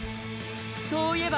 そういえば。